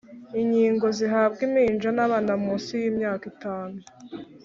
Inyingo zihabwa impinja nabana munsi y’imyaka itanu